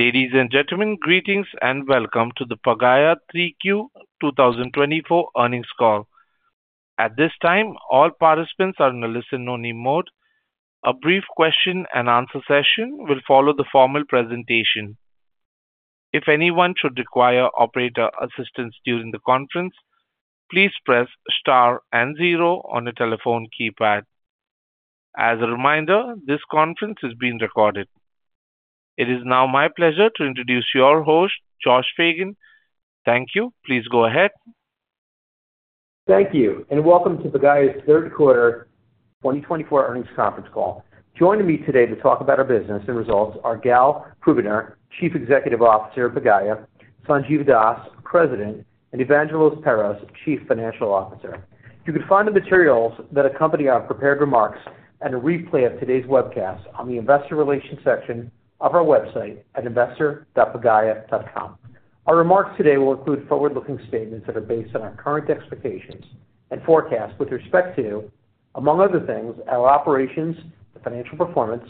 Ladies and gentlemen, greetings and welcome to the Pagaya 3Q 2024 earnings call. At this time, all participants are in a listen-only mode. A brief question-and-answer session will follow the formal presentation. If anyone should require operator assistance during the conference, please press star and zero on the telephone keypad. As a reminder, this conference is being recorded. It is now my pleasure to introduce your host, Josh Fagen. Thank you. Please go ahead. Thank you, and welcome to Pagaya's third quarter 2024 earnings conference call. Joining me today to talk about our business and results are Gal Krubiner, Chief Executive Officer at Pagaya, Sanjiv Das, President, and Evangelos Perros, Chief Financial Officer. You can find the materials that accompany our prepared remarks and a replay of today's webcast on the Investor Relations section of our website at investor.pagaya.com. Our remarks today will include forward-looking statements that are based on our current expectations and forecast with respect to, among other things, our operations, the financial performance,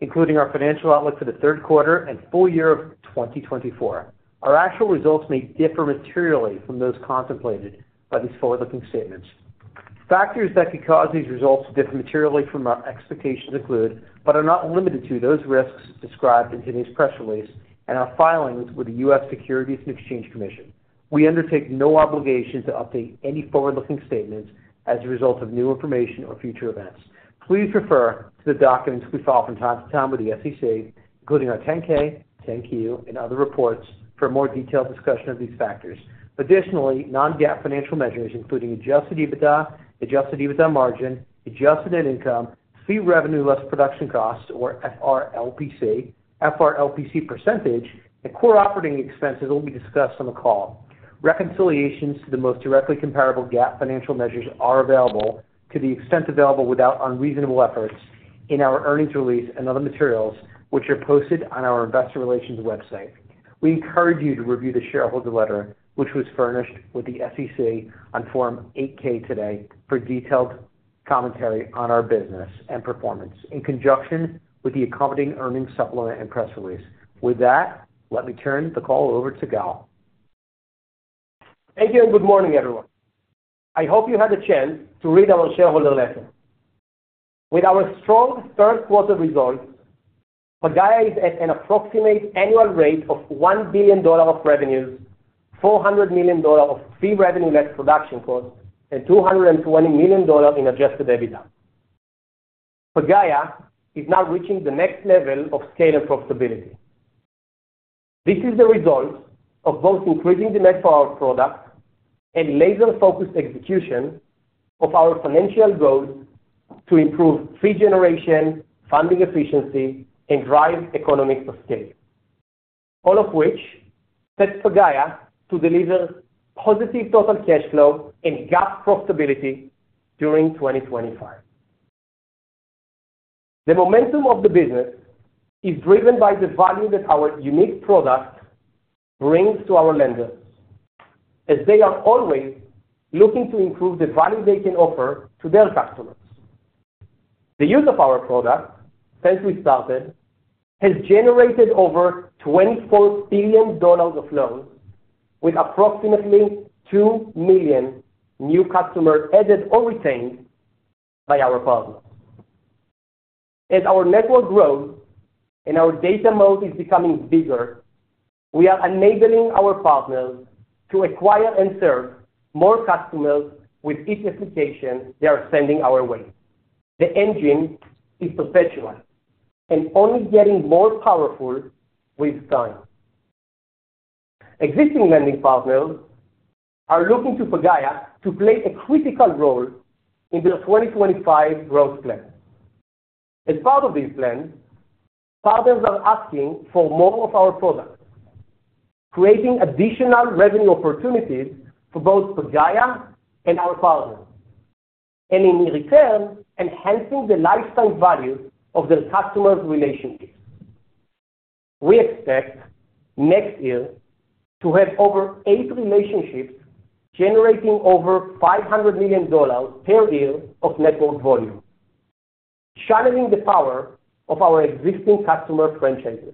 including our financial outlook for the third quarter and full year of 2024. Our actual results may differ materially from those contemplated by these forward-looking statements. Factors that could cause these results to differ materially from our expectations include, but are not limited to, those risks described in today's press release and our filings with the U.S. Securities and Exchange Commission. We undertake no obligation to update any forward-looking statements as a result of new information or future events. Please refer to the documents we file from time to time with the SEC, including our 10-K, 10-Q, and other reports, for a more detailed discussion of these factors. Additionally, non-GAAP financial measures, including Adjusted EBITDA, Adjusted EBITDA margin, Adjusted net income, Fee revenue less production costs, or FRLPC, FRLPC percentage, and core operating expenses, will be discussed on the call. Reconciliations to the most directly comparable GAAP financial measures are available to the extent available without unreasonable efforts in our earnings release and other materials, which are posted on our Investor Relations website. We encourage you to review the shareholder letter, which was furnished with the SEC on Form 8-K today, for detailed commentary on our business and performance, in conjunction with the accompanying earnings supplement and press release. With that, let me turn the call over to Gal. Thank you, and good morning, everyone. I hope you had a chance to read our shareholder letter. With our strong third-quarter results, Pagaya is at an approximate annual rate of $1 billion of revenues, $400 million of fee revenue less production costs, and $220 million in Adjusted EBITDA. Pagaya is now reaching the next level of scale and profitability. This is the result of both increasing demand for our product and laser-focused execution of our financial goals to improve fee generation, funding efficiency, and drive economic scale, all of which sets Pagaya to deliver positive total cash flow and GAAP profitability during 2025. The momentum of the business is driven by the value that our unique product brings to our lenders, as they are always looking to improve the value they can offer to their customers. The use of our product, since we started, has generated over $24 billion of loans, with approximately 2 million new customers added or retained by our partners. As our network grows and our data moat is becoming bigger, we are enabling our partners to acquire and serve more customers with each application they are sending our way. The engine is perpetual, and only getting more powerful with time. Existing lending partners are looking to Pagaya to play a critical role in the 2025 growth plan. As part of this plan, partners are asking for more of our product, creating additional revenue opportunities for both Pagaya and our partners, and in return, enhancing the lifetime value of their customers' relationships. We expect next year to have over eight relationships generating over $500 million per year of network volume, channeling the power of our existing customer franchises.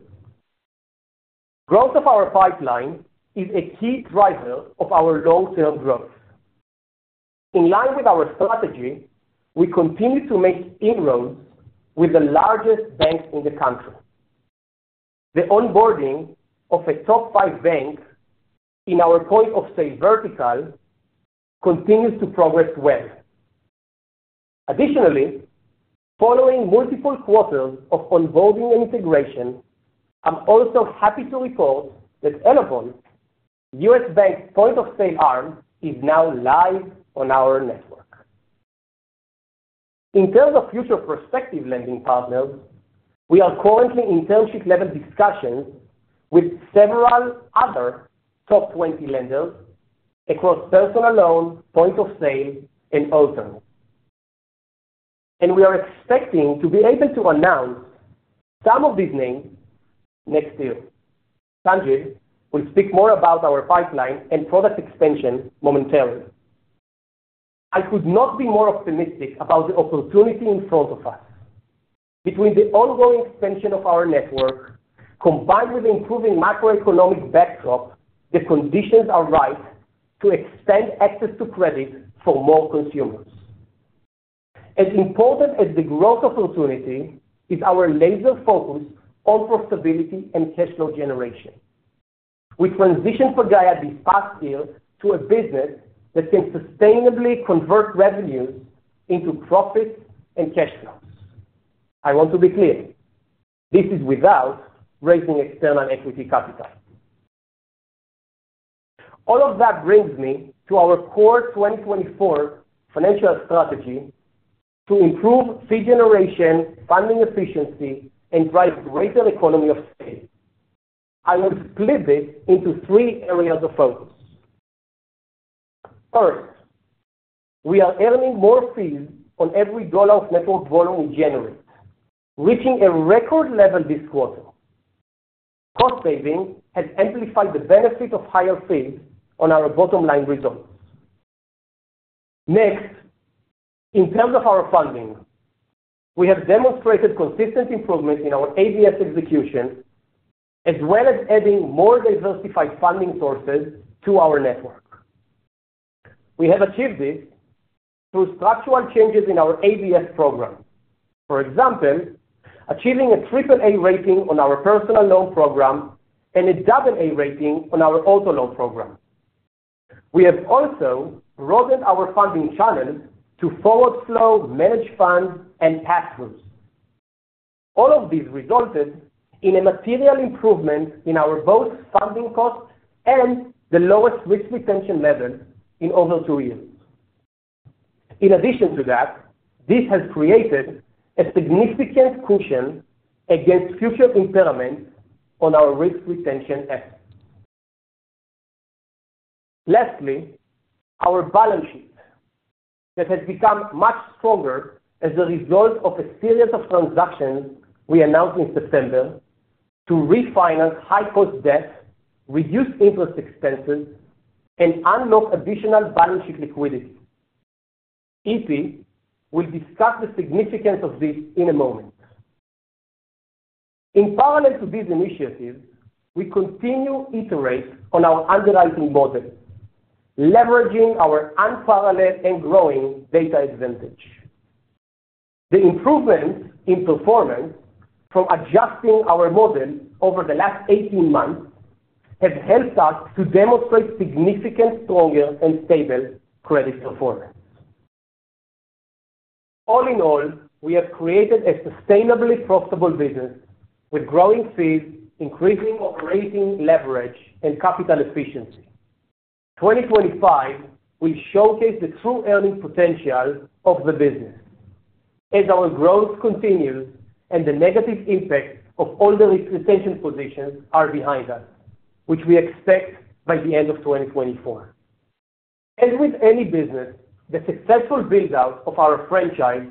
Growth of our pipeline is a key driver of our long-term growth. In line with our strategy, we continue to make inroads with the largest banks in the country. The onboarding of a top five bank in our point of sale vertical continues to progress well. Additionally, following multiple quarters of onboarding and integration, I'm also happy to report that Elavon, U.S. Bank's point of sale arm, is now live on our network. In terms of future prospective lending partners, we are currently in term sheet level discussions with several other top 20 lenders across personal loan, point of sale, and auto. And we are expecting to be able to announce some of these names next year. Sanjiv will speak more about our pipeline and product extension momentarily. I could not be more optimistic about the opportunity in front of us. Between the ongoing expansion of our network, combined with improving macroeconomic backdrop, the conditions are right to extend access to credit for more consumers. As important as the growth opportunity is our laser focus on profitability and cash flow generation. We transitioned Pagaya this past year to a business that can sustainably convert revenues into profits and cash flows. I want to be clear: this is without raising external equity capital. All of that brings me to our core 2024 financial strategy to improve fee generation, funding efficiency, and drive greater economy of scale. I will split this into three areas of focus. First, we are earning more fees on every dollar of network volume we generate, reaching a record level this quarter. Cost savings has amplified the benefit of higher fees on our bottom-line results. Next, in terms of our funding, we have demonstrated consistent improvements in our ABS execution, as well as adding more diversified funding sources to our network. We have achieved this through structural changes in our ABS program, for example, achieving a triple-A rating on our personal loan program and a double-A rating on our auto loan program. We have also broadened our funding channels to forward-flow, managed funds, and pass-throughs. All of these resulted in a material improvement in both our funding costs and the lowest risk retention level in over two years. In addition to that, this has created a significant cushion against future impairments on our risk retention efforts. Lastly, our balance sheet, that has become much stronger as a result of a series of transactions we announced in September to refinance high-cost debt, reduce interest expenses, and unlock additional balance sheet liquidity. EP will discuss the significance of this in a moment. In parallel to these initiatives, we continue to iterate on our underwriting model, leveraging our unparalleled and growing data advantage. The improvements in performance from adjusting our model over the last 18 months have helped us to demonstrate significantly stronger and stable credit performance. All in all, we have created a sustainably profitable business with growing fees, increasing operating leverage, and capital efficiency. 2025 will showcase the true earning potential of the business as our growth continues and the negative impact of all the risk retention positions are behind us, which we expect by the end of 2024. As with any business, the successful build-out of our franchise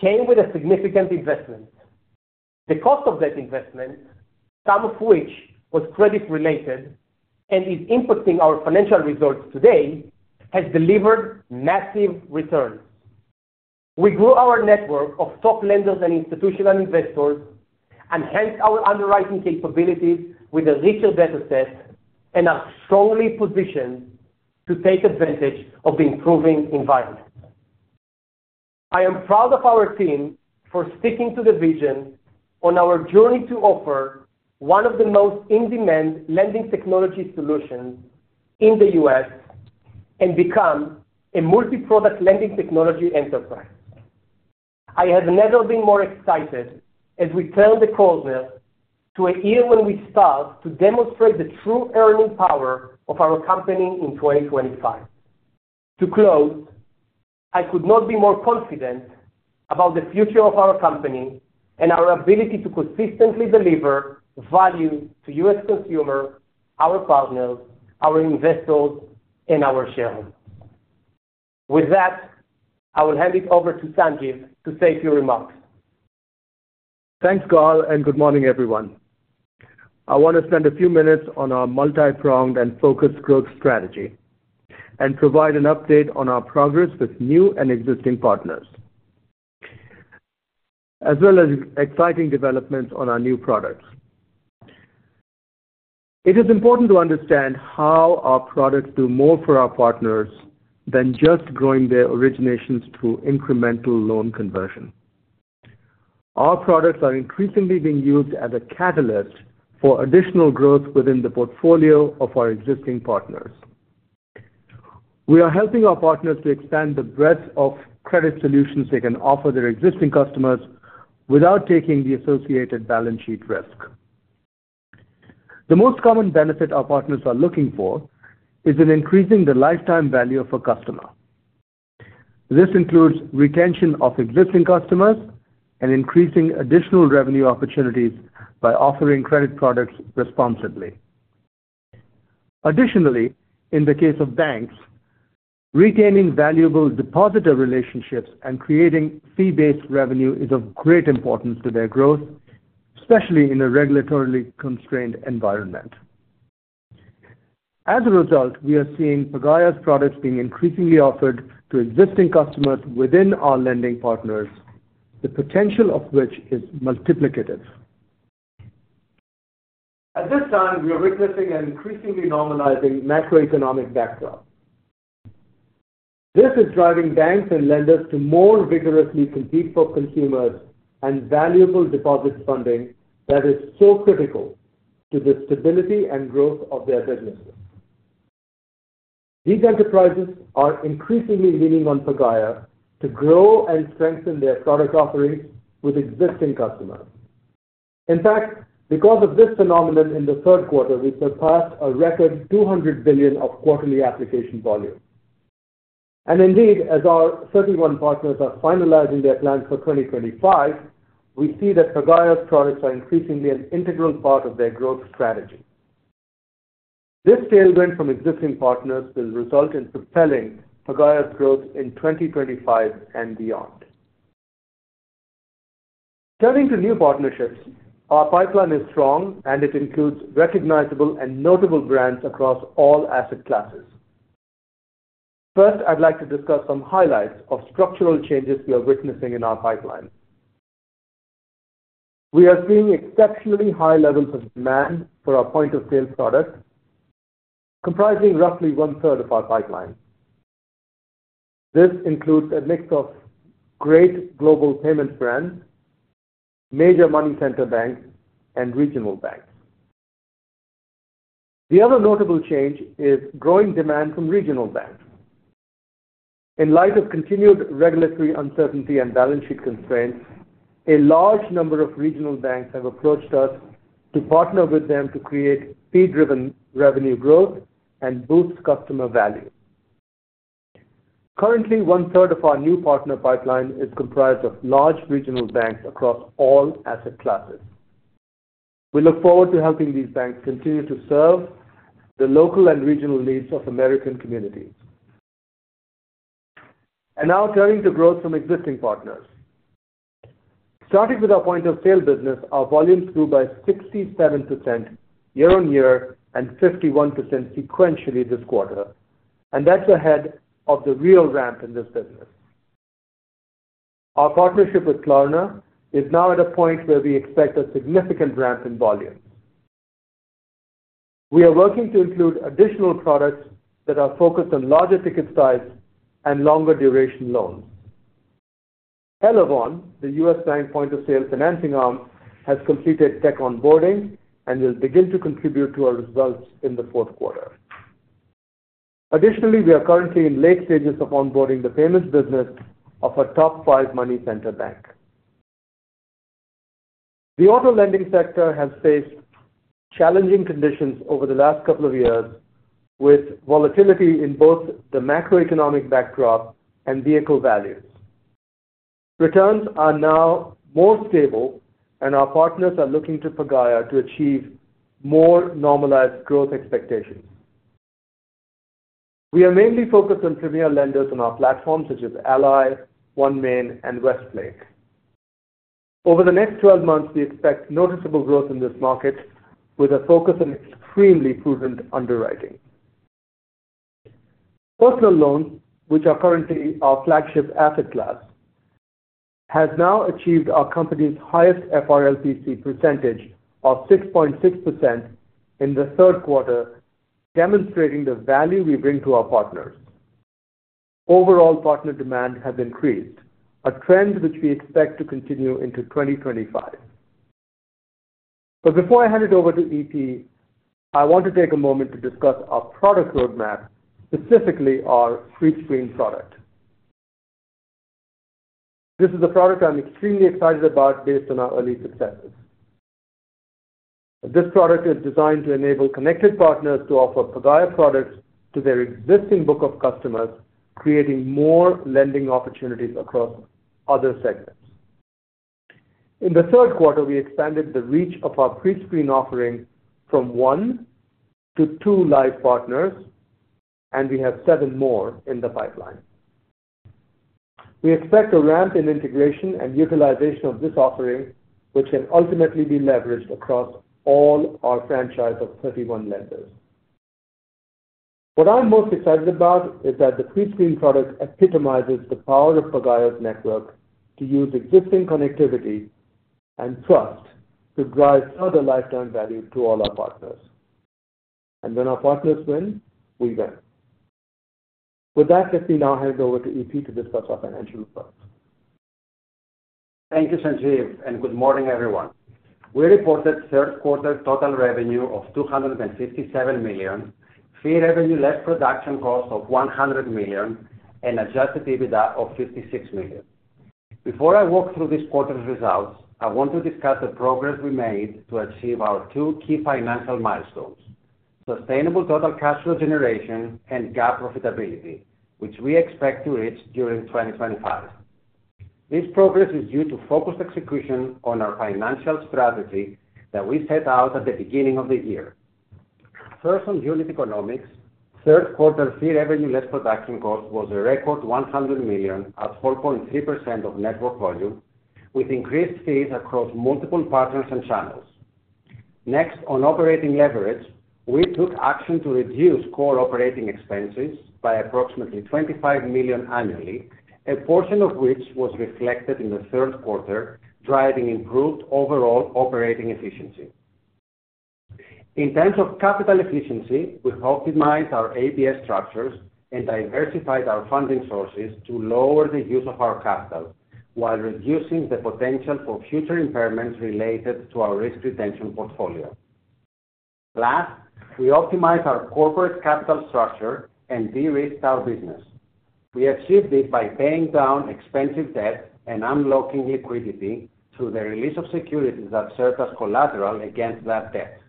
came with a significant investment. The cost of that investment, some of which was credit-related and is impacting our financial results today, has delivered massive returns. We grew our network of top lenders and institutional investors, enhanced our underwriting capabilities with a richer data set, and are strongly positioned to take advantage of the improving environment. I am proud of our team for sticking to the vision on our journey to offer one of the most in-demand lending technology solutions in the U.S. and become a multi-product lending technology enterprise. I have never been more excited as we turn the corner to a year when we start to demonstrate the true earning power of our company in 2025. To close, I could not be more confident about the future of our company and our ability to consistently deliver value to U.S. consumers, our partners, our investors, and our shareholders. With that, I will hand it over to Sanjiv to say a few remarks. Thanks, Gal, and good morning, everyone. I want to spend a few minutes on our multi-pronged and focused growth strategy and provide an update on our progress with new and existing partners, as well as exciting developments on our new products. It is important to understand how our products do more for our partners than just growing their originations through incremental loan conversion. Our products are increasingly being used as a catalyst for additional growth within the portfolio of our existing partners. We are helping our partners to expand the breadth of credit solutions they can offer their existing customers without taking the associated balance sheet risk. The most common benefit our partners are looking for is in increasing the lifetime value of a customer. This includes retention of existing customers and increasing additional revenue opportunities by offering credit products responsibly. Additionally, in the case of banks, retaining valuable depositor relationships and creating fee-based revenue is of great importance to their growth, especially in a regulatorily constrained environment. As a result, we are seeing Pagaya's products being increasingly offered to existing customers within our lending partners, the potential of which is multiplicative. At this time, we are witnessing an increasingly normalizing macroeconomic backdrop. This is driving banks and lenders to more vigorously compete for consumers and valuable deposit funding that is so critical to the stability and growth of their businesses. These enterprises are increasingly leaning on Pagaya to grow and strengthen their product offerings with existing customers. In fact, because of this phenomenon in the third quarter, we surpassed a record $200 billion of quarterly application volume, and indeed, as our 31 partners are finalizing their plans for 2025, we see that Pagaya's products are increasingly an integral part of their growth strategy. This tailwind from existing partners will result in propelling Pagaya's growth in 2025 and beyond. Turning to new partnerships, our pipeline is strong, and it includes recognizable and notable brands across all asset classes. First, I'd like to discuss some highlights of structural changes we are witnessing in our pipeline. We are seeing exceptionally high levels of demand for our point of sale products, comprising roughly one-third of our pipeline. This includes a mix of great global payment brands, major money center banks, and regional banks. The other notable change is growing demand from regional banks. In light of continued regulatory uncertainty and balance sheet constraints, a large number of regional banks have approached us to partner with them to create fee-driven revenue growth and boost customer value. Currently, one-third of our new partner pipeline is comprised of large regional banks across all asset classes. We look forward to helping these banks continue to serve the local and regional needs of American communities. And now, turning to growth from existing partners. Starting with our point of sale business, our volumes grew by 67% year-on-year and 51% sequentially this quarter, and that's ahead of the real ramp in this business. Our partnership with Klarna is now at a point where we expect a significant ramp in volumes. We are working to include additional products that are focused on larger ticket size and longer duration loans. Elavon, the U.S. Bank point of sale financing arm, has completed tech onboarding and will begin to contribute to our results in the fourth quarter. Additionally, we are currently in late stages of onboarding the payments business of a top five money center bank. The auto lending sector has faced challenging conditions over the last couple of years, with volatility in both the macroeconomic backdrop and vehicle values. Returns are now more stable, and our partners are looking to Pagaya to achieve more normalized growth expectations. We are mainly focused on premier lenders on our platform, such as Ally, OneMain, and Westlake. Over the next 12 months, we expect noticeable growth in this market, with a focus on extremely prudent underwriting. Personal loans, which are currently our flagship asset class, have now achieved our company's highest FRLPC percentage of 6.6% in the third quarter, demonstrating the value we bring to our partners. Overall, partner demand has increased, a trend which we expect to continue into 2025. But before I hand it over to EP, I want to take a moment to discuss our product roadmap, specifically our Prescreen product. This is a product I'm extremely excited about based on our early successes. This product is designed to enable connected partners to offer Pagaya products to their existing book of customers, creating more lending opportunities across other segments. In the third quarter, we expanded the reach of our Prescreen offering from one to two live partners, and we have seven more in the pipeline. We expect a ramp in integration and utilization of this offering, which can ultimately be leveraged across all our franchise of 31 lenders. What I'm most excited about is that the Prescreen product epitomizes the power of Pagaya's network to use existing connectivity and trust to drive further lifetime value to all our partners. And when our partners win, we win. With that, let me now hand it over to EP to discuss our financial results. Thank you, Sanjiv, and good morning, everyone. We reported third quarter total revenue of $257 million, fee revenue less production cost of $100 million, and Adjusted EBITDA of $56 million. Before I walk through this quarter's results, I want to discuss the progress we made to achieve our two key financial milestones: sustainable total cash flow generation and GAAP profitability, which we expect to reach during 2025. This progress is due to focused execution on our financial strategy that we set out at the beginning of the year. First, on unit economics, third quarter fee revenue less production cost was a record $100 million at 4.3% of network volume, with increased fees across multiple partners and channels. Next, on operating leverage, we took action to reduce core operating expenses by approximately $25 million annually, a portion of which was reflected in the third quarter, driving improved overall operating efficiency. In terms of capital efficiency, we optimized our ABS structures and diversified our funding sources to lower the use of our capital while reducing the potential for future impairments related to our risk retention portfolio. Last, we optimized our corporate capital structure and de-risked our business. We achieved this by paying down expensive debt and unlocking liquidity through the release of securities that serve as collateral against that debt.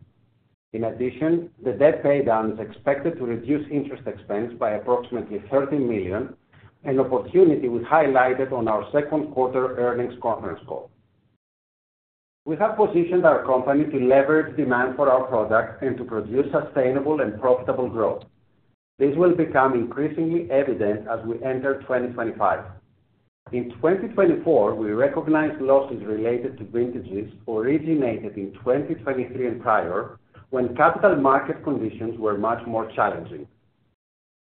In addition, the debt paydown is expected to reduce interest expense by approximately $30 million, an opportunity we highlighted on our second quarter earnings conference call. We have positioned our company to leverage demand for our product and to produce sustainable and profitable growth. This will become increasingly evident as we enter 2025. In 2024, we recognized losses related to vintages originated in 2023 and prior when capital market conditions were much more challenging.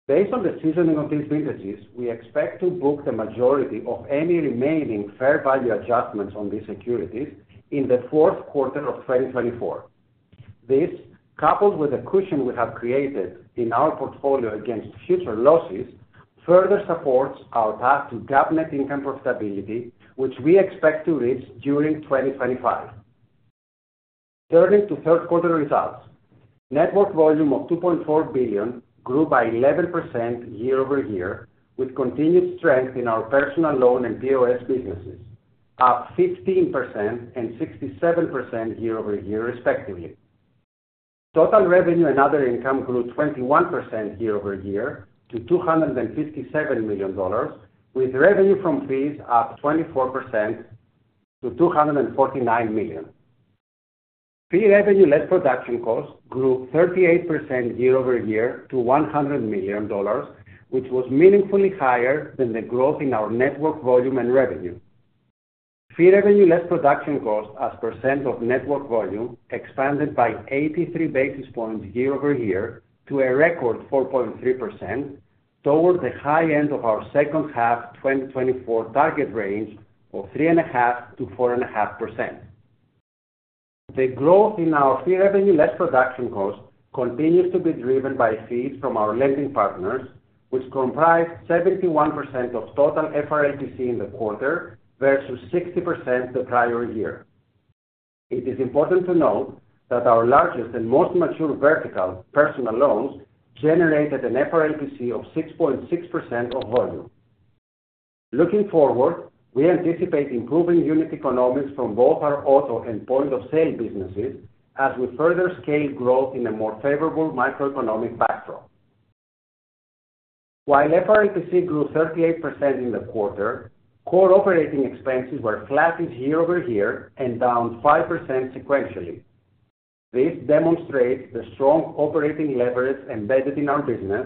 Based on the seasoning of these vintages, we expect to book the majority of any remaining fair value adjustments on these securities in the fourth quarter of 2024. This, coupled with the cushion we have created in our portfolio against future losses, further supports our path to GAAP net income profitability, which we expect to reach during 2025. Turning to third quarter results, network volume of $2.4 billion grew by 11% year-over-year, with continued strength in our personal loan and POS businesses, up 15% and 67% year-over-year, respectively. Total revenue and other income grew 21% year-over-year to $257 million, with revenue from fees up 24% to $249 million. Fee revenue less production cost grew 38% year-over-year to $100 million, which was meaningfully higher than the growth in our network volume and revenue. Fee revenue less production cost as percent of network volume expanded by 83 basis points year-over-year to a record 4.3%, toward the high end of our second half 2024 target range of 3.5% to 4.5%. The growth in our fee revenue less production cost continues to be driven by fees from our lending partners, which comprised 71% of total FRLPC in the quarter versus 60% the prior year. It is important to note that our largest and most mature vertical, personal loans, generated an FRLPC of 6.6% of volume. Looking forward, we anticipate improving unit economics from both our auto and point of sale businesses as we further scale growth in a more favorable macroeconomic backdrop. While FRLPC grew 38% in the quarter, core operating expenses were flat year-over-year and down 5% sequentially. This demonstrates the strong operating leverage embedded in our business,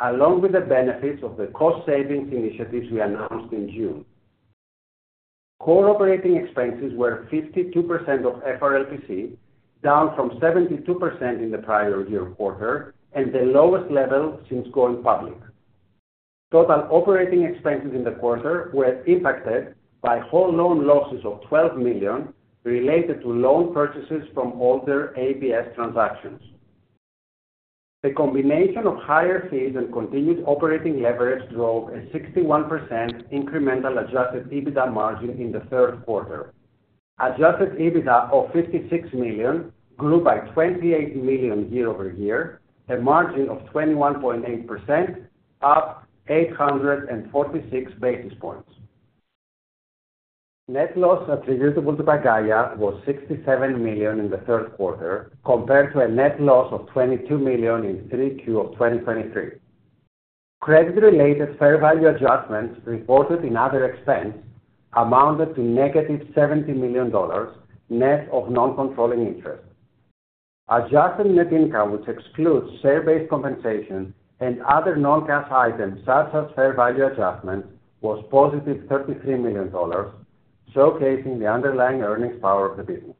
along with the benefits of the cost savings initiatives we announced in June. Core operating expenses were 52% of FRLPC, down from 72% in the prior year quarter and the lowest level since going public. Total operating expenses in the quarter were impacted by whole loan losses of $12 million related to loan purchases from older ABS transactions. The combination of higher fees and continued operating leverage drove a 61% incremental Adjusted EBITDA margin in the third quarter. Adjusted EBITDA of $56 million grew by $28 million year-over-year, a margin of 21.8%, up 846 basis points. Net loss attributable to Pagaya was $67 million in the third quarter, compared to a net loss of $22 million in Q3 of 2023. Credit-related fair value adjustments reported in other expense amounted to negative $70 million net of non-controlling interest. Adjusted net income, which excludes share-based compensation and other non-cash items such as fair value adjustments, was positive $33 million, showcasing the underlying earnings power of the business.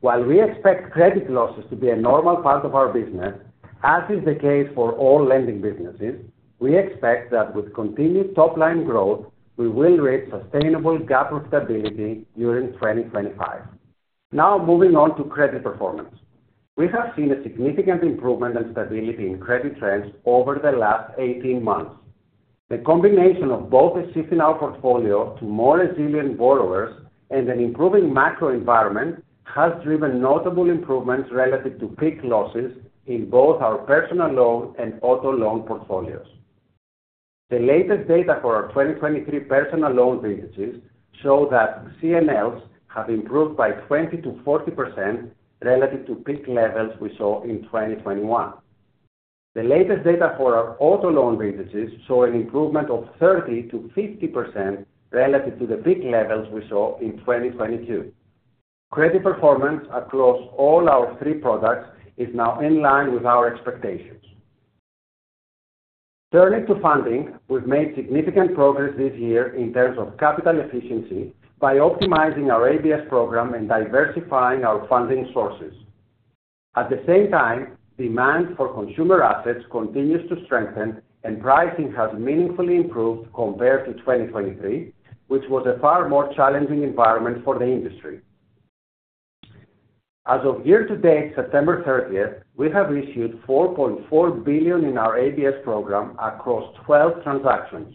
While we expect credit losses to be a normal part of our business, as is the case for all lending businesses, we expect that with continued top-line growth, we will reach sustainable GAAP profitability during 2025. Now, moving on to credit performance. We have seen a significant improvement and stability in credit trends over the last 18 months. The combination of both a shift in our portfolio to more resilient borrowers and an improving macro environment has driven notable improvements relative to peak losses in both our personal loan and auto loan portfolios. The latest data for our 2023 personal loan vintages show that CNLs have improved by 20%-40% relative to peak levels we saw in 2021. The latest data for our auto loan vintages show an improvement of 30% to 50% relative to the peak levels we saw in 2022. Credit performance across all our three products is now in line with our expectations. Turning to funding, we've made significant progress this year in terms of capital efficiency by optimizing our ABS program and diversifying our funding sources. At the same time, demand for consumer assets continues to strengthen, and pricing has meaningfully improved compared to 2023, which was a far more challenging environment for the industry. As of year-to-date September 30th, we have issued $4.4 billion in our ABS program across 12 transactions.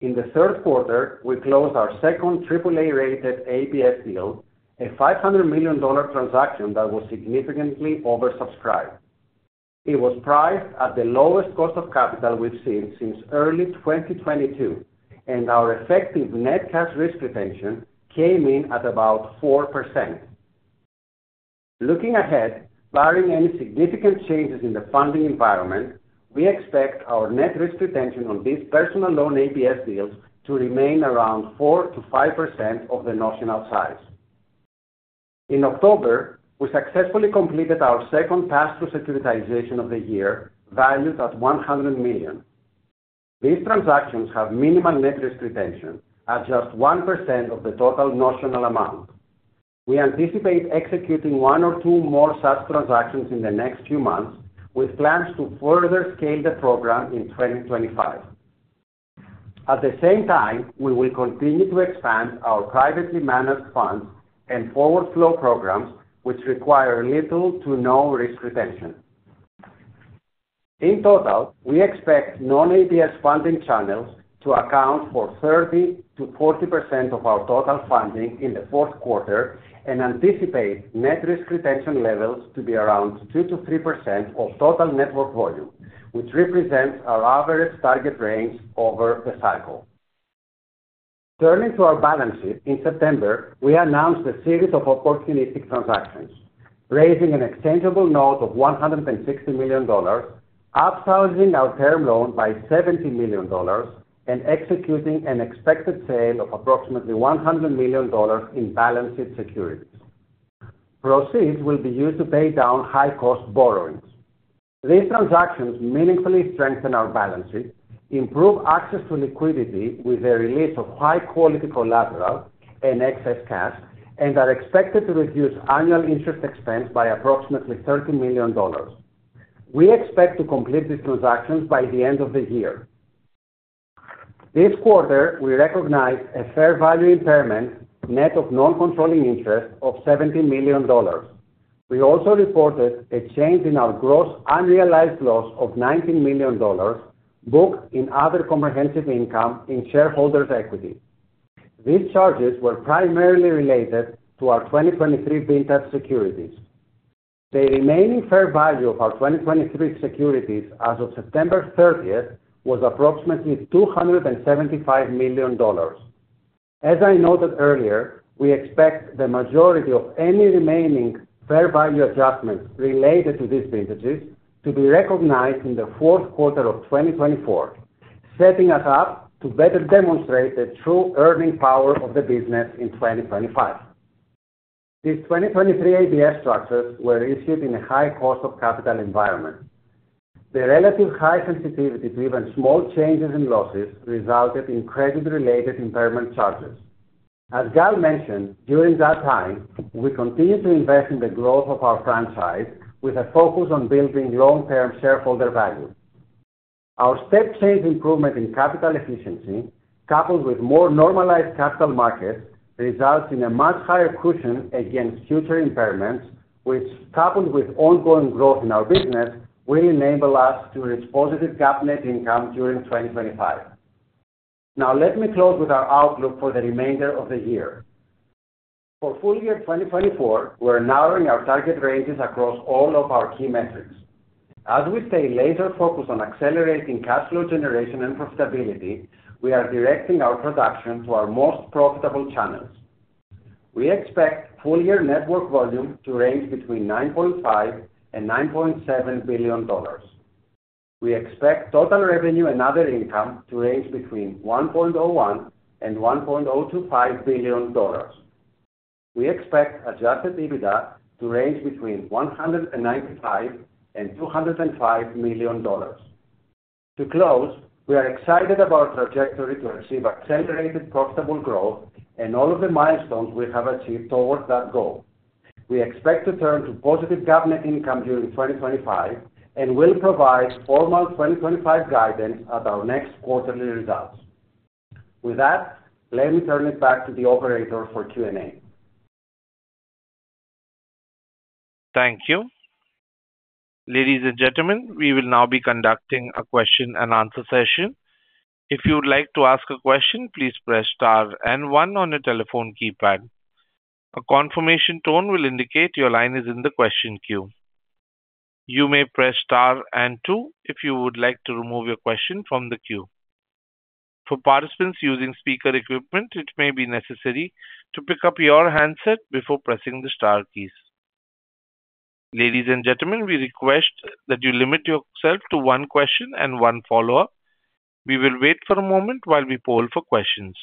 In the third quarter, we closed our second AAA-rated ABS deal, a $500 million transaction that was significantly oversubscribed. It was priced at the lowest cost of capital we've seen since early 2022, and our effective net cash risk retention came in at about 4%. Looking ahead, barring any significant changes in the funding environment, we expect our net risk retention on these personal loan ABS deals to remain around 4%-5% of the notional size. In October, we successfully completed our second pass-through securitization of the year, valued at $100 million. These transactions have minimal net risk retention, at just 1% of the total notional amount. We anticipate executing one or two more such transactions in the next few months, with plans to further scale the program in 2025. At the same time, we will continue to expand our privately managed funds and forward flow programs, which require little to no risk retention. In total, we expect non-ABS funding channels to account for 30%-40% of our total funding in the fourth quarter and anticipate net risk retention levels to be around 2%-3% of total network volume, which represents our average target range over the cycle. Turning to our balance sheet, in September, we announced a series of opportunistic transactions, raising an exchangeable note of $160 million, upsizing our term loan by $70 million, and executing an expected sale of approximately $100 million in balance sheet securities. Proceeds will be used to pay down high-cost borrowings. These transactions meaningfully strengthen our balance sheet, improve access to liquidity with the release of high-quality collateral and excess cash, and are expected to reduce annual interest expense by approximately $30 million. We expect to complete these transactions by the end of the year. This quarter, we recognized a fair value impairment net of non-controlling interest of $70 million. We also reported a change in our gross unrealized loss of $19 million booked in other comprehensive income in shareholders' equity. These charges were primarily related to our 2023 Vintage securities. The remaining fair value of our 2023 securities as of September 30th was approximately $275 million. As I noted earlier, we expect the majority of any remaining fair value adjustments related to these vintages to be recognized in the fourth quarter of 2024, setting us up to better demonstrate the true earning power of the business in 2025. These 2023 ABS structures were issued in a high cost of capital environment. The relative high sensitivity to even small changes in losses resulted in credit-related impairment charges. As Gal mentioned, during that time, we continued to invest in the growth of our franchise with a focus on building long-term shareholder value. Our step-change improvement in capital efficiency, coupled with more normalized capital markets, results in a much higher cushion against future impairments, which, coupled with ongoing growth in our business, will enable us to reach positive GAAP net income during 2025. Now, let me close with our outlook for the remainder of the year. For full year 2024, we're narrowing our target ranges across all of our key metrics. As we stay laser-focused on accelerating cash flow generation and profitability, we are directing our production to our most profitable channels. We expect full year network volume to range between $9.5 and $9.7 billion. We expect total revenue and other income to range between $1.01 and $1.025 billion. We expect Adjusted EBITDA to range between $195 million-$205 million. To close, we are excited about our trajectory to achieve accelerated profitable growth and all of the milestones we have achieved towards that goal. We expect to turn to positive GAAP net income during 2025 and will provide formal 2025 guidance at our next quarterly results. With that, let me turn it back to the operator for Q&A. Thank you. Ladies and gentlemen, we will now be conducting a question and answer session. If you would like to ask a question, please press star and one on a telephone keypad. A confirmation tone will indicate your line is in the question queue. You may press star and two if you would like to remove your question from the queue. For participants using speaker equipment, it may be necessary to pick up your handset before pressing the star keys. Ladies and gentlemen, we request that you limit yourself to one question and one follow-up. We will wait for a moment while we poll for questions.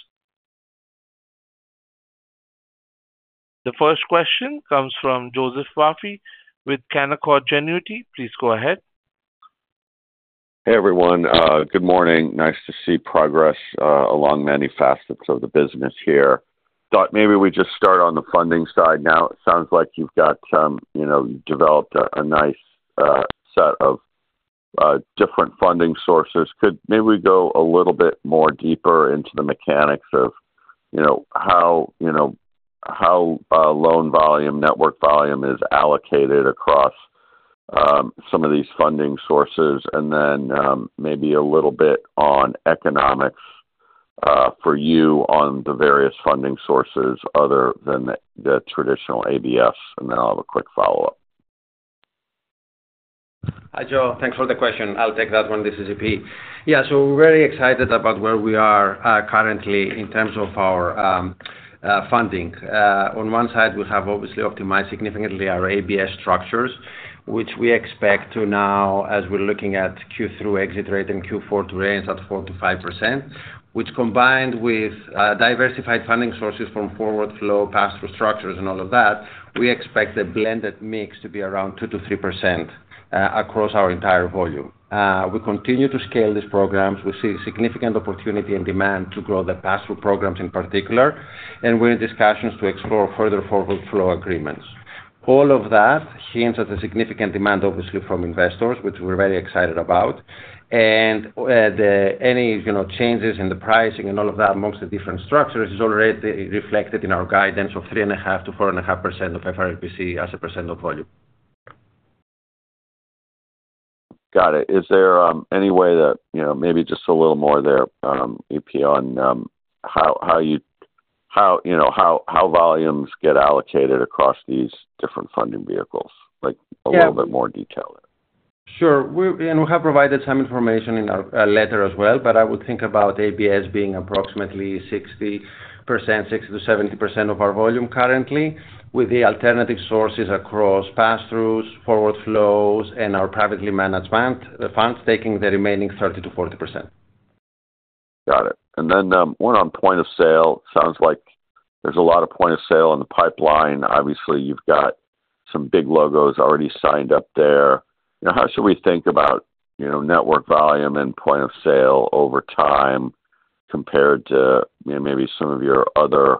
The first question comes from Joseph Vafi with Canaccord Genuity. Please go ahead. Hey, everyone. Good morning. Nice to see progress along many facets of the business here. Thought maybe we'd just start on the funding side now. It sounds like you've got, you know, developed a nice set of different funding sources. Could maybe we go a little bit more deeper into the mechanics of how loan volume, network volume is allocated across some of these funding sources, and then maybe a little bit on economics for you on the various funding sources other than the traditional ABS? And then I'll have a quick follow-up. Hi, Joe. Thanks for the question. I'll take that one, this is EP. Yeah, so we're very excited about where we are currently in terms of our funding. On one side, we have obviously optimized significantly our ABS structures, which we expect to now, as we're looking at Q3 exit rate and Q4 to range at 4%-5%, which combined with diversified funding sources from forward flow, pass-through structures, and all of that, we expect the blended mix to be around 2%-3% across our entire volume. We continue to scale these programs. We see significant opportunity and demand to grow the pass-through programs in particular, and we're in discussions to explore further forward flow agreements. All of that hints at a significant demand, obviously, from investors, which we're very excited about. Any changes in the pricing and all of that among the different structures is already reflected in our guidance of 3.5%-4.5% of FRLPC as a percent of volume. Got it. Is there any way that, you know, maybe just a little more there, EP, on how, you know, how volumes get allocated across these different funding vehicles, like a little bit more detail there? Sure. We have provided some information in our letter as well, but I would think about ABS being approximately 60%-70% of our volume currently, with the alternative sources across pass-throughs, forward flows, and our privately managed funds taking the remaining 30%-40%. Got it. One on point of sale. Sounds like there's a lot of point of sale in the pipeline. Obviously, you've got some big logos already signed up there. You know, how should we think about, you know, network volume and point of sale over time compared to, you know, maybe some of your other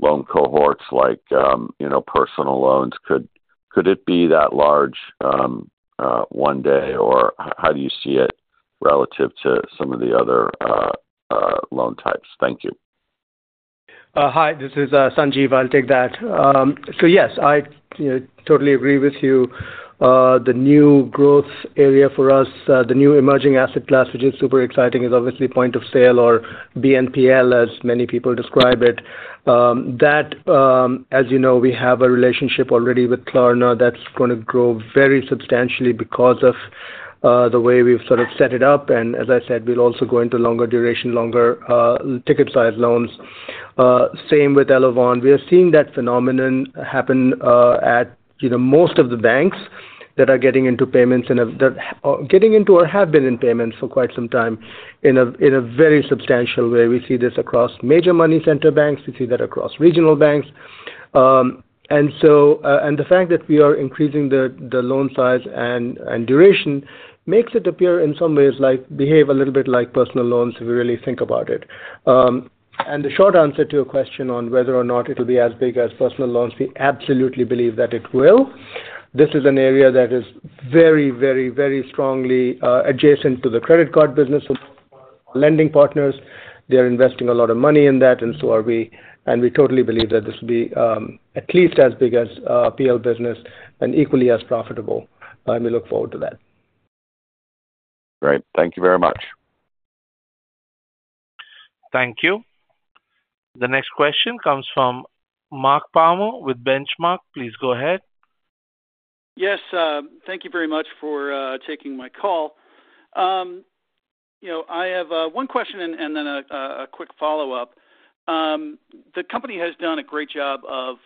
loan cohorts like, you know, personal loans? Could it be that large one day, or how do you see it relative to some of the other loan types? Thank you. Hi, this is Sanjiv. I'll take that. So yes, I, you know, totally agree with you. The new growth area for us, the new emerging asset class, which is super exciting, is obviously point of sale or BNPL, as many people describe it. That, as you know, we have a relationship already with Klarna that's going to grow very substantially because of the way we've sort of set it up. And as I said, we'll also go into longer duration, longer ticket-sized loans. Same with Elavon. We are seeing that phenomenon happen at, you know, most of the banks that are getting into payments and that are getting into or have been in payments for quite some time in a very substantial way. We see this across major money center banks. We see that across regional banks, and so, and the fact that we are increasing the loan size and duration makes it appear in some ways like behave a little bit like personal loans if we really think about it, and the short answer to your question on whether or not it will be as big as personal loans, we absolutely believe that it will. This is an area that is very, very, very strongly adjacent to the credit card business. Lending partners, they're investing a lot of money in that, and so are we. We totally believe that this will be at least as big as PL business and equally as profitable. We look forward to that. Great. Thank you very much. Thank you. The next question comes from Mark Palmer with Benchmark. Please go ahead. Yes. Thank you very much for taking my call. You know, I have one question and then a quick follow-up. The company has done a great job of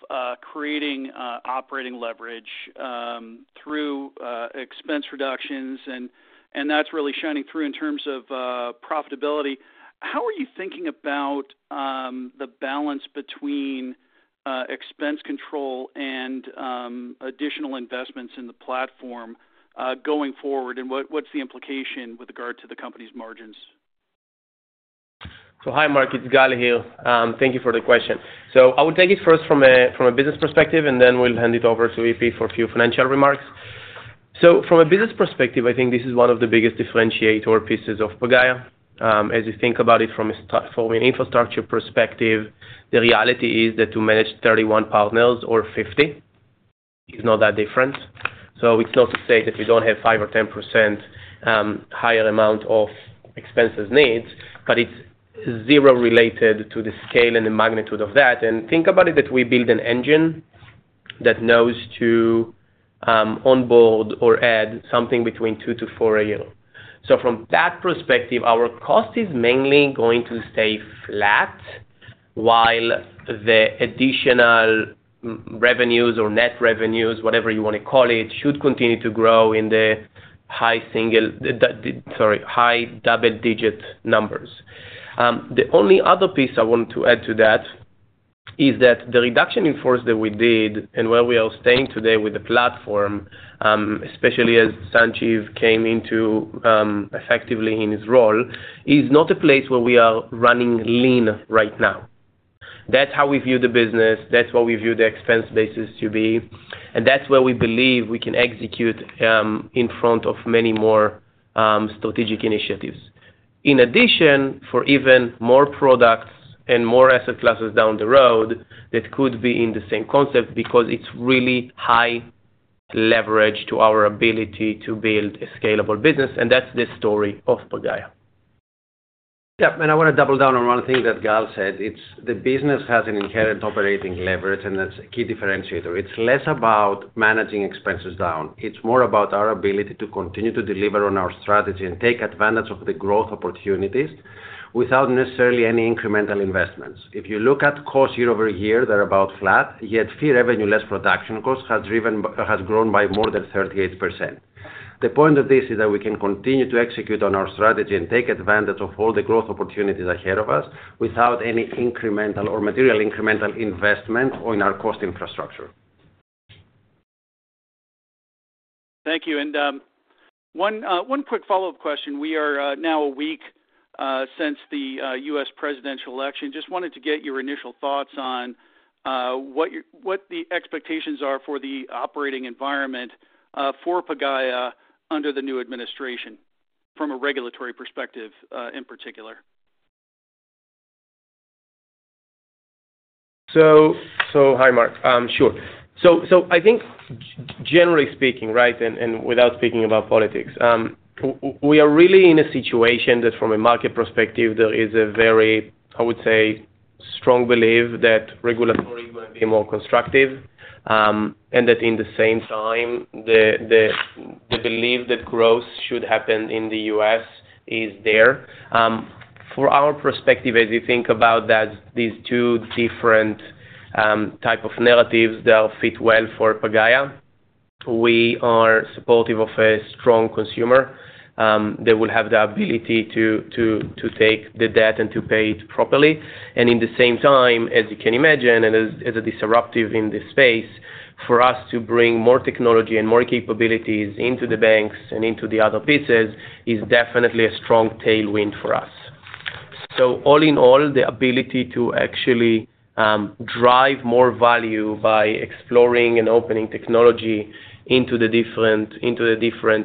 creating operating leverage through expense reductions, and that's really shining through in terms of profitability. How are you thinking about the balance between expense control and additional investments in the platform going forward, and what's the implication with regard to the company's margins? Hi, Mark. It's Gal here. Thank you for the question. I will take it first from a business perspective, and then we'll hand it over to EP for a few financial remarks. From a business perspective, I think this is one of the biggest differentiator pieces of Pagaya. As you think about it from a platform infrastructure perspective, the reality is that to manage 31 partners or 50 is not that different. It's not to say that we don't have 5% or 10% higher amount of expenses needs, but it's zero related to the scale and the magnitude of that. Think about it that we build an engine that knows to onboard or add something between 2% to 4% a year. From that perspective, our cost is mainly going to stay flat while the additional revenues or net revenues, whatever you want to call it, should continue to grow in the high single, sorry, high double-digit numbers. The only other piece I want to add to that is that the reduction in force that we did and where we are staying today with the platform, especially as Sanjiv came into effectively in his role, is not a place where we are running lean right now. That's how we view the business. That's what we view the expense basis to be. And that's where we believe we can execute in front of many more strategic initiatives. In addition, for even more products and more asset classes down the road, that could be in the same concept because it's really high leverage to our ability to build a scalable business. And that's the story of Pagaya. Yeah. And I want to double down on one thing that Gal said. It's the business has an inherent operating leverage, and that's a key differentiator. It's less about managing expenses down. It's more about our ability to continue to deliver on our strategy and take advantage of the growth opportunities without necessarily any incremental investments. If you look at cost year over year, they're about flat, yet fee revenue less production cost has driven, has grown by more than 38%. The point of this is that we can continue to execute on our strategy and take advantage of all the growth opportunities ahead of us without any incremental or material incremental investment or in our cost infrastructure. Thank you. And one quick follow-up question. We are now a week since the U.S. presidential election. Just wanted to get your initial thoughts on what the expectations are for the operating environment for Pagaya under the new administration from a regulatory perspective in particular. So, so hi, Mark. Sure. So, I think generally speaking, right, and without speaking about politics, we are really in a situation that from a market perspective, there is a very, I would say, strong belief that regulation is going to be more constructive and that at the same time, the belief that growth should happen in the U.S. is there. From our perspective, as you think about these two different types of narratives that fit well for Pagaya, we are supportive of a strong consumer that will have the ability to take the debt and to pay it properly. And at the same time, as you can imagine, and as a disruptor in this space, for us to bring more technology and more capabilities into the banks and into the other pieces is definitely a strong tailwind for us. So all in all, the ability to actually drive more value by exploring and opening technology into the different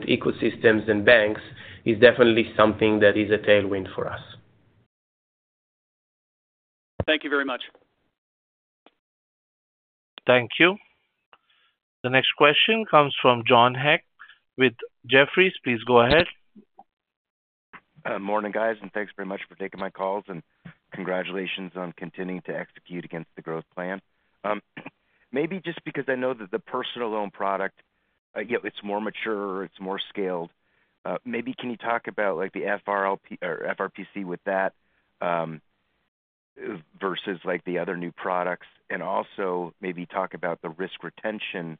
ecosystems and banks is definitely something that is a tailwind for us. Thank you very much. Thank you. The next question comes from John Hecht with Jefferies. Please go ahead. Morning, guys, and thanks very much for taking my calls and congratulations on continuing to execute against the growth plan. Maybe just because I know that the personal loan product, you know, it's more mature, it's more scaled. Maybe can you talk about like the FRLPC with that versus like the other new products and also maybe talk about the risk retention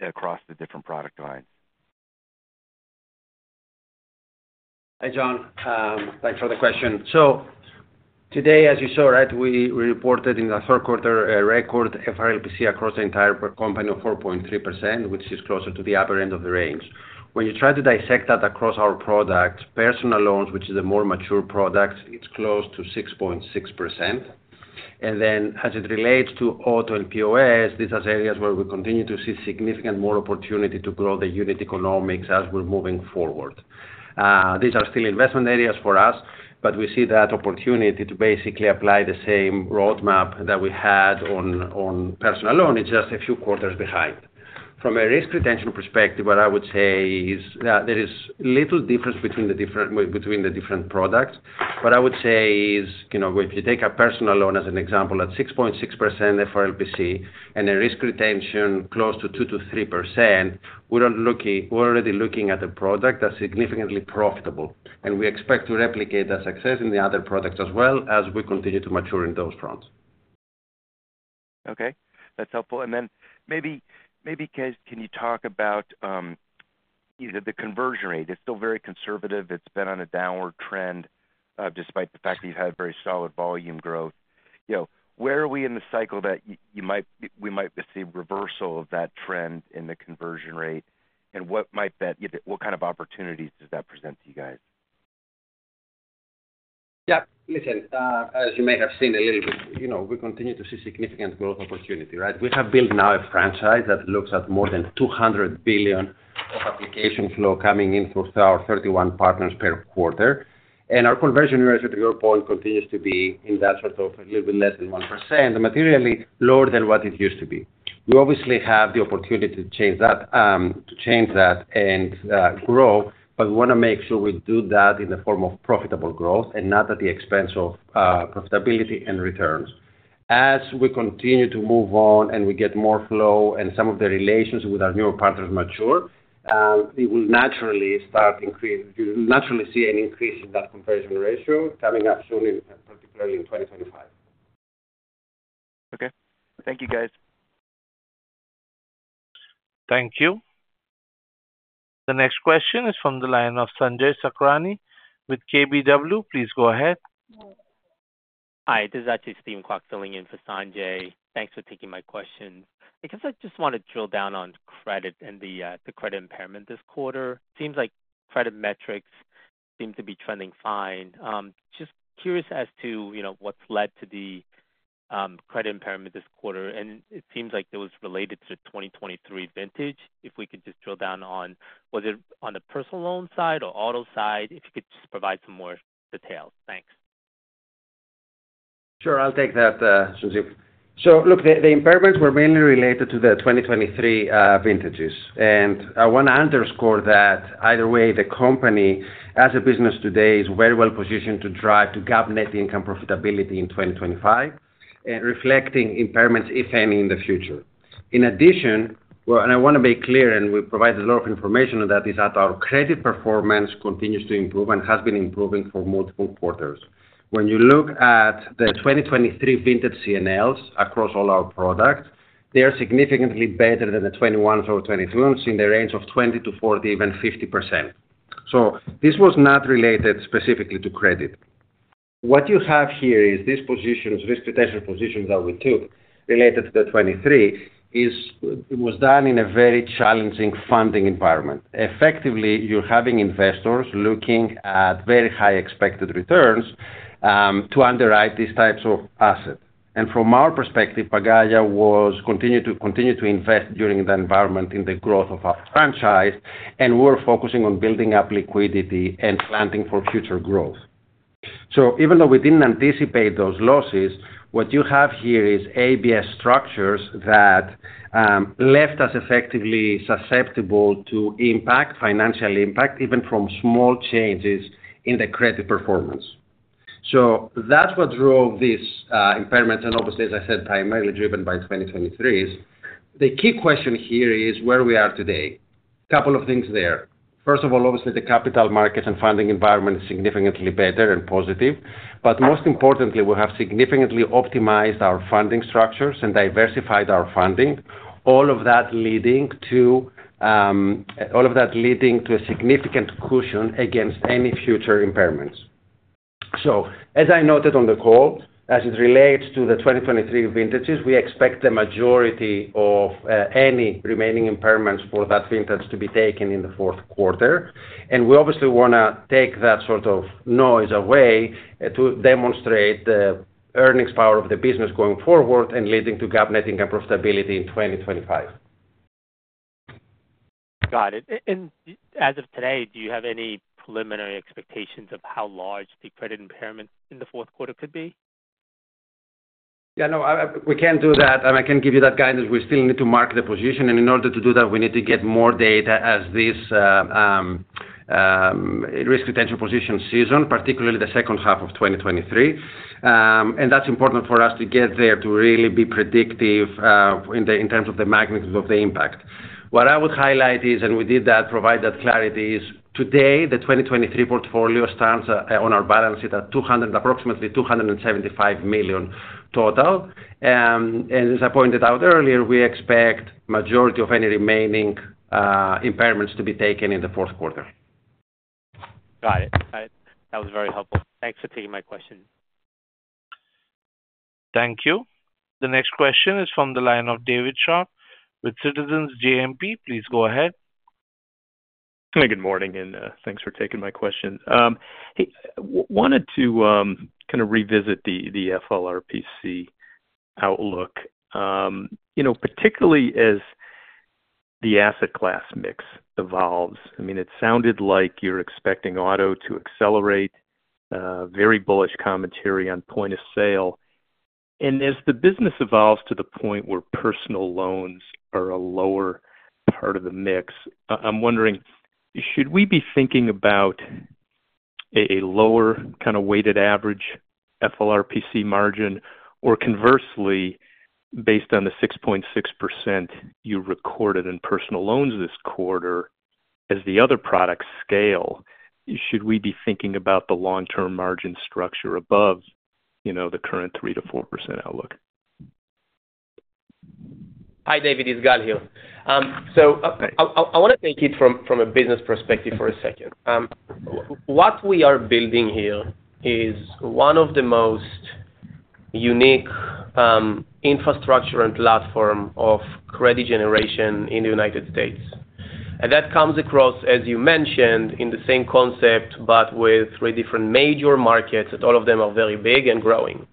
across the different product lines? Hi, John. Thanks for the question. So today, as you saw, right, we reported in the third quarter a record FRLPC across the entire company of 4.3%, which is closer to the upper end of the range. When you try to dissect that across our product, personal loans, which is the more mature product, it's close to 6.6%. And then as it relates to auto and POS, these are areas where we continue to see significant more opportunity to grow the unit economics as we're moving forward. These are still investment areas for us, but we see that opportunity to basically apply the same roadmap that we had on personal loan. It's just a few quarters behind. From a risk retention perspective, what I would say is that there is little difference between the different products, but I would say, you know, if you take a personal loan as an example at 6.6% FRLPC and a risk retention close to 2%-3%, we're already looking at a product that's significantly profitable, and we expect to replicate that success in the other products as well as we continue to mature in those fronts. Okay. That's helpful. And then maybe can you talk about the conversion rate? It's still very conservative. It's been on a downward trend despite the fact that you've had very solid volume growth. You know, where are we in the cycle that we might see reversal of that trend in the conversion rate and what kind of opportunities does that present to you guys? Yeah. Listen, as you may have seen a little bit, you know, we continue to see significant growth opportunity, right? We have built now a franchise that looks at more than $200 billion of application flow coming in through our 31 partners per quarter. And our conversion rate, to your point, continues to be in that sort of a little bit less than 1%, materially lower than what it used to be. We obviously have the opportunity to change that, to change that and grow, but we want to make sure we do that in the form of profitable growth and not at the expense of profitability and returns. As we continue to move on and we get more flow and some of the relations with our newer partners mature, it will naturally start increasing. You'll naturally see an increase in that conversion ratio coming up soon, particularly in 2025. Okay. Thank you, guys. Thank you. The next question is from the line of Sanjay Sakhrani with KBW. Please go ahead. Hi. This is actually Steven Kwok filling in for Sanjay. Thanks for taking my question. I guess I just want to drill down on credit and the credit impairment this quarter. Seems like credit metrics seem to be trending fine. Just curious as to, you know, what's led to the credit impairment this quarter, and it seems like it was related to the 2023 vintage. If we could just drill down on, was it on the personal loan side or auto side, if you could just provide some more details. Thanks. Sure. I'll take that, Sanjay. Look, the impairments were mainly related to the 2023 vintages, and I want to underscore that either way, the company as a business today is very well positioned to drive to GAAP net income profitability in 2025 and reflecting impairments, if any, in the future. In addition, and I want to be clear, and we provided a lot of information on that, is that our credit performance continues to improve and has been improving for multiple quarters. When you look at the 2023 vintage CNLs across all our products, they are significantly better than the 21s or 22s in the range of 20%-40%, even 50%. So this was not related specifically to credit. What you have here is these positions, risk retention positions that we took related to the 23; it was done in a very challenging funding environment. Effectively, you're having investors looking at very high expected returns to underwrite these types of assets. From our perspective, Pagaya continued to continue to invest during the environment in the growth of our franchise, and we were focusing on building up liquidity and planning for future growth. Even though we didn't anticipate those losses, what you have here is ABS structures that left us effectively susceptible to impact, financial impact, even from small changes in the credit performance. That's what drove these impairments, and obviously, as I said, primarily driven by 2023s. The key question here is where we are today. Couple of things there. First of all, obviously, the capital market and funding environment is significantly better and positive, but most importantly, we have significantly optimized our funding structures and diversified our funding, all of that leading to a significant cushion against any future impairments. So as I noted on the call, as it relates to the 2023 vintages, we expect the majority of any remaining impairments for that vintage to be taken in the fourth quarter, and we obviously want to take that sort of noise away to demonstrate the earnings power of the business going forward and leading to GAAP net income profitability in 2025. Got it. And as of today, do you have any preliminary expectations of how large the credit impairment in the fourth quarter could be? Yeah. No, we can't do that. And I can give you that guidance. We still need to mark the position, and in order to do that, we need to get more data as this risk retention position seasoned, particularly the second half of 2023, and that's important for us to get there to really be predictive in terms of the magnitude of the impact. What I would highlight is, and we did that, provide that clarity: today, the 2023 portfolio stands on our balance sheet at approximately $275 million total. And as I pointed out earlier, we expect the majority of any remaining impairments to be taken in the fourth quarter. Got it. That was very helpful. Thanks for taking my question. Thank you. The next question is from the line of David Scharf with Citizens JMP. Please go ahead. Hi. Good morning, and thanks for taking my question. Hey, wanted to kind of revisit the FRLPC outlook, you know, particularly as the asset class mix evolves. I mean, it sounded like you're expecting auto to accelerate, very bullish commentary on point of sale, and as the business evolves to the point where personal loans are a lower part of the mix, I'm wondering, should we be thinking about a lower kind of weighted average FRLPC margin, or conversely, based on the 6.6% you recorded in personal loans this quarter, as the other products scale, should we be thinking about the long-term margin structure above, you know, the current 3%-4% outlook? Hi, David. It's Gal here, so I want to take it from a business perspective for a second. What we are building here is one of the most unique infrastructure and platform of credit generation in the United States. And that comes across, as you mentioned, in the same concept, but with three different major markets, and all of them are very big and growing: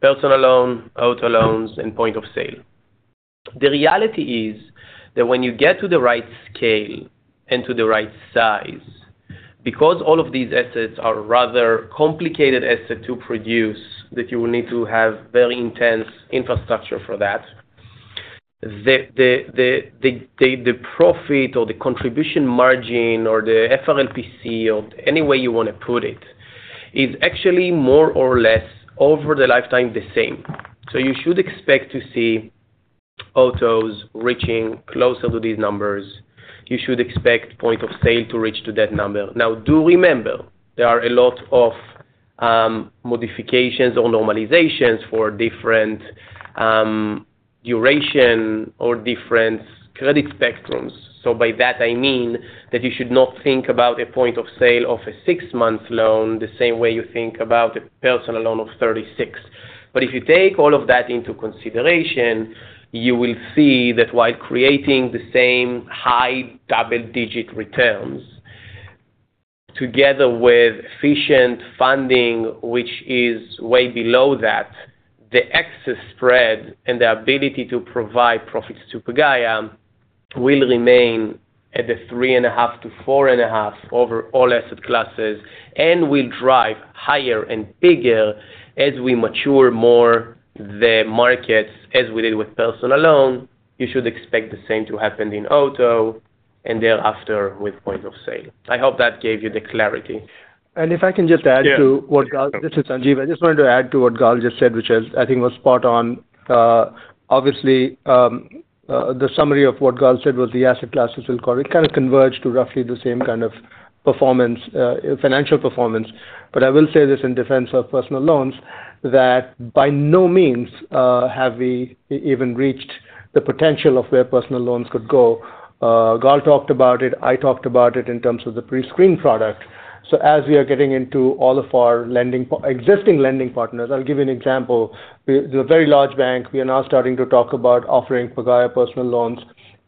personal loan, auto loans, and point of sale. The reality is that when you get to the right scale and to the right size, because all of these assets are rather complicated assets to produce, that you will need to have very intense infrastructure for that. The profit or the contribution margin or the FRLPC or any way you want to put it is actually more or less over the lifetime the same. So you should expect to see autos reaching closer to these numbers. You should expect point of sale to reach to that number. Now, do remember, there are a lot of modifications or normalizations for different duration or different credit spectrums. So by that, I mean that you should not think about a point of sale of a six-month loan the same way you think about a personal loan of 36. But if you take all of that into consideration, you will see that while creating the same high double-digit returns, together with efficient funding, which is way below that, the excess spread and the ability to provide profits to Pagaya will remain at the 3.5-4.5 over all asset classes and will drive higher and bigger as we mature more the markets as we did with personal loan. You should expect the same to happen in auto and thereafter with point of sale. I hope that gave you the clarity. If I can just add to what this is, Sanjay, I just wanted to add to what Gal just said, which I think was spot on. Obviously, the summary of what Gal said was the asset classes will kind of converge to roughly the same kind of performance, financial performance. But I will say this in defense of personal loans, that by no means have we even reached the potential of where personal loans could go. Gal talked about it. I talked about it in terms of the Prescreen product. So as we are getting into all of our lending, existing lending partners, I'll give you an example. We're a very large bank. We are now starting to talk about offering Pagaya personal loans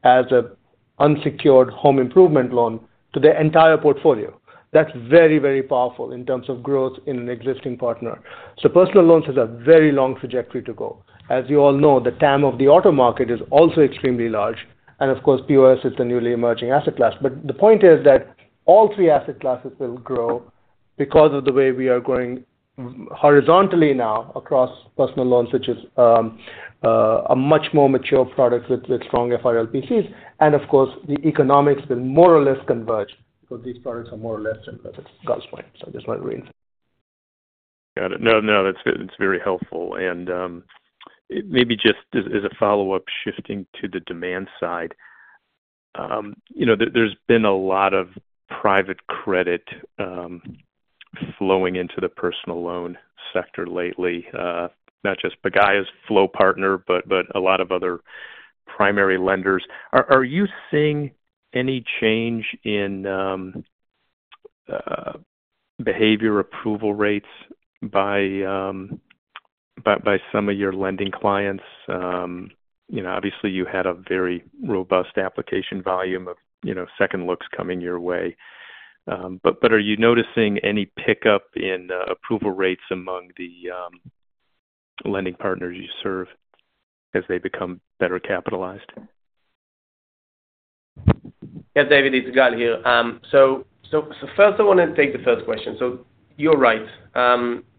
as an unsecured home improvement loan to the entire portfolio. That's very, very powerful in terms of growth in an existing partner. So personal loans have a very long trajectory to go. As you all know, the TAM of the auto market is also extremely large. And of course, POS is the newly emerging asset class. But the point is that all three asset classes will grow because of the way we are going horizontally now across personal loans, which is a much more mature product with strong FRLPCs. And of course, the economics will more or less converge because these products are more or less in Gal's point. So I just wanted to reinforce. Got it. No, no, that's very helpful. And maybe just as a follow-up, shifting to the demand side, you know, there's been a lot of private credit flowing into the personal loan sector lately, not just Pagaya's flow partner, but a lot of other primary lenders. Are you seeing any change in behavior approval rates by some of your lending clients? You know, obviously, you had a very robust application volume of, you know, second looks coming your way. But are you noticing any pickup in approval rates among the lending partners you serve as they become better capitalized? Yeah, David, it's Gal here. So first, I want to take the first question. So you're right.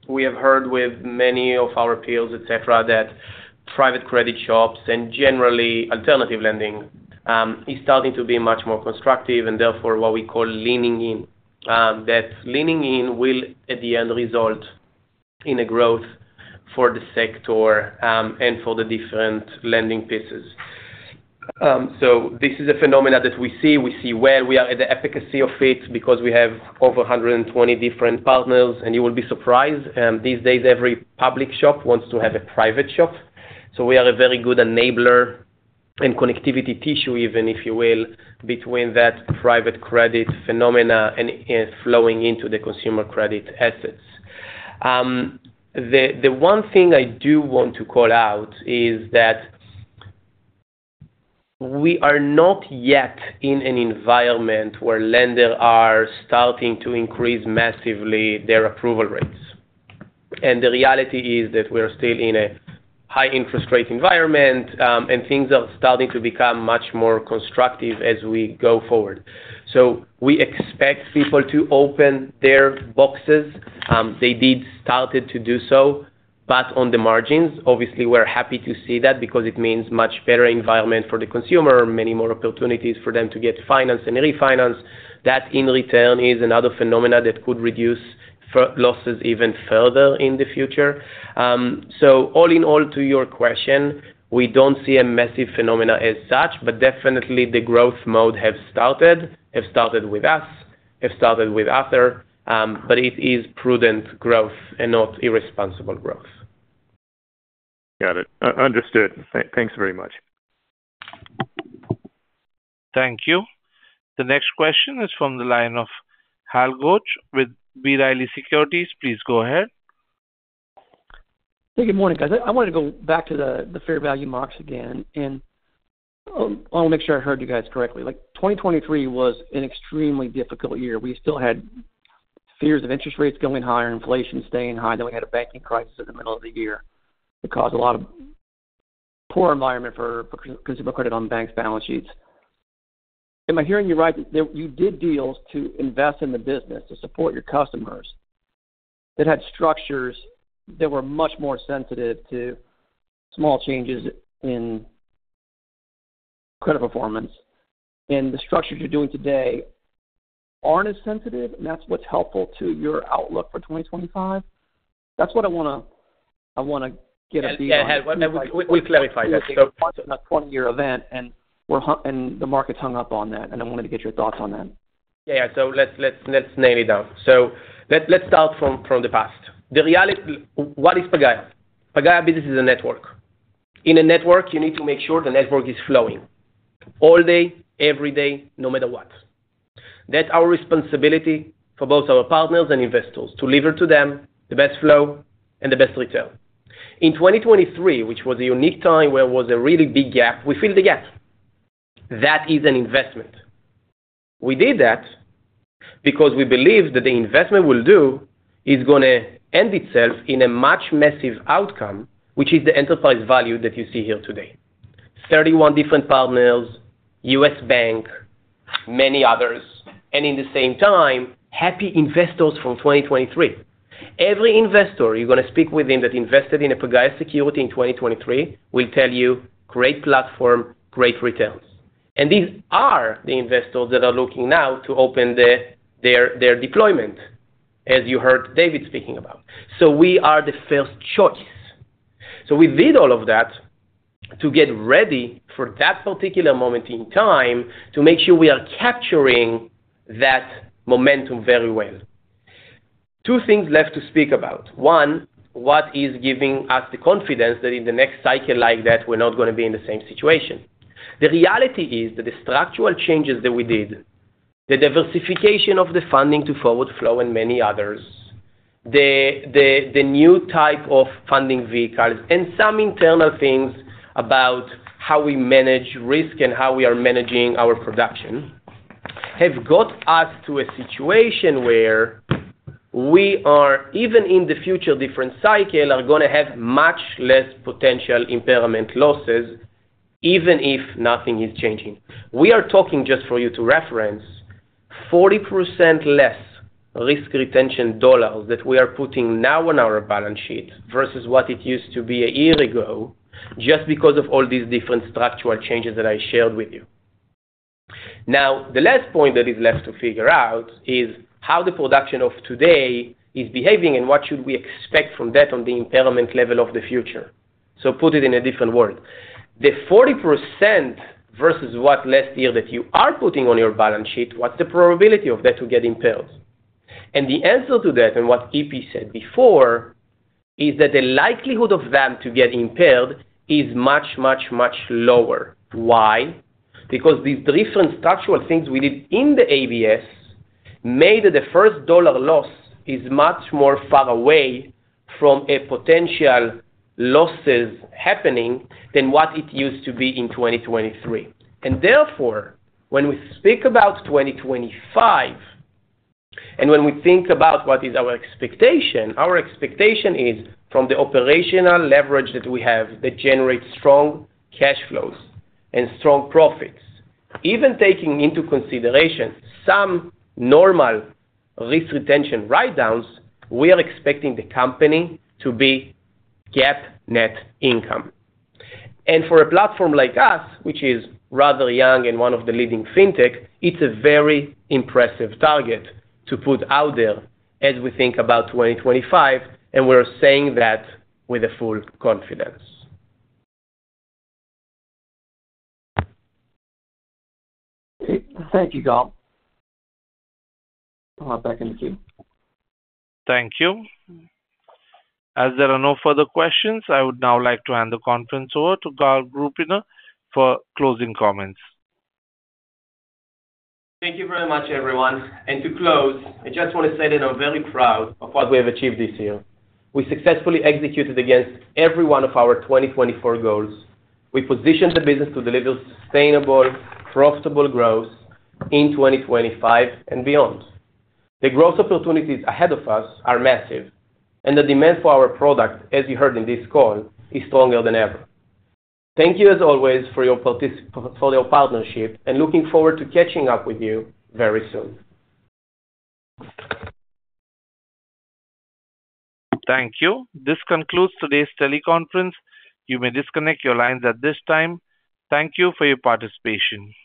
We have heard with many of our appeals, etc., that private credit shops and generally alternative lending is starting to be much more constructive and therefore what we call leaning in. That leaning in will, at the end, result in a growth for the sector and for the different lending pieces. So this is a phenomenon that we see. We see where we are at the efficacy of it because we have over 120 different partners. And you will be surprised. These days, every public shop wants to have a private shop. So we are a very good enabler and connective tissue, even, if you will, between that private credit phenomenon and flowing into the consumer credit assets. The one thing I do want to call out is that we are not yet in an environment where lenders are starting to increase massively their approval rates. And the reality is that we are still in a high interest rate environment, and things are starting to become much more constructive as we go forward. So we expect people to open their boxes. They did start to do so, but on the margins. Obviously, we're happy to see that because it means a much better environment for the consumer, many more opportunities for them to get financed and refinanced. That, in return, is another phenomenon that could reduce losses even further in the future. So all in all, to your question, we don't see a massive phenomenon as such, but definitely the growth mode has started, has started with us, has started with others, but it is prudent growth and not irresponsible growth. Got it. Understood. Thanks very much. Thank you. The next question is from the line of Hal Goetsch with B. Riley Securities. Please go ahead. Hey, good morning, guys. I wanted to go back to the fair value marks again, and I want to make sure I heard you guys correctly. Like 2023 was an extremely difficult year. We still had fears of interest rates going higher, inflation staying high. Then we had a banking crisis in the middle of the year that caused a lot of poor environment for consumer credit on banks' balance sheets. Am I hearing you right? You did deals to invest in the business, to support your customers that had structures that were much more sensitive to small changes in credit performance, and the structures you're doing today aren't as sensitive, and that's what's helpful to your outlook for 2025. That's what I want to get a feel of. We clarify that, so a 20-year event, and the market's hung up on that, and I wanted to get your thoughts on that. Yeah, yeah, so let's nail it down, so let's start from the past. The reality, what is Pagaya? Pagaya business is a network. In a network, you need to make sure the network is flowing all day, every day, no matter what. That's our responsibility for both our partners and investors to lever to them the best flow and the best return. In 2023, which was a unique time where there was a really big gap, we filled the gap. That is an investment. We did that because we believe that the investment we'll do is going to end itself in a much more massive outcome, which is the enterprise value that you see here today: 31 different partners, U.S. Bank, many others, and in the same time, happy investors from 2023. Every investor you're going to speak with that invested in a Pagaya security in 2023 will tell you, "Great platform, great returns," and these are the investors that are looking now to open their deployment, as you heard David speaking about, so we are the first choice, so we did all of that to get ready for that particular moment in time to make sure we are capturing that momentum very well. Two things left to speak about. One, what is giving us the confidence that in the next cycle like that, we're not going to be in the same situation? The reality is that the structural changes that we did, the diversification of the funding to forward flow and many others, the new type of funding vehicles, and some internal things about how we manage risk and how we are managing our production have got us to a situation where we are, even in the future, different cycle, are going to have much less potential impairment losses, even if nothing is changing. We are talking just for you to reference 40% less risk retention dollars that we are putting now on our balance sheet versus what it used to be a year ago just because of all these different structural changes that I shared with you. Now, the last point that is left to figure out is how the production of today is behaving and what should we expect from that on the impairment level of the future. So, put it in a different word. The 40% versus what last year that you are putting on your balance sheet, what's the probability of that to get impaired? And the answer to that, and what EP said before, is that the likelihood of them to get impaired is much, much, much lower. Why? Because these different structural things we did in the ABS made the first dollar loss is much more far away from potential losses happening than what it used to be in 2023. Therefore, when we speak about 2025 and when we think about what is our expectation, our expectation is from the operational leverage that we have that generates strong cash flows and strong profits, even taking into consideration some normal risk retention write-downs, we are expecting the company to be GAAP net income. For a platform like us, which is rather young and one of the leading fintech, it's a very impressive target to put out there as we think about 2025, and we're saying that with full confidence. Thank you, Gal. I'll hand it back to you. Thank you. As there are no further questions, I would now like to hand the conference over to Gal Krubiner for closing comments. Thank you very much, everyone. To close, I just want to say that I'm very proud of what we have achieved this year. We successfully executed against every one of our 2024 goals. We positioned the business to deliver sustainable, profitable growth in 2025 and beyond. The growth opportunities ahead of us are massive, and the demand for our product, as you heard in this call, is stronger than ever. Thank you, as always, for your partnership, and looking forward to catching up with you very soon. Thank you. This concludes today's teleconference. You may disconnect your lines at this time. Thank you for your participation.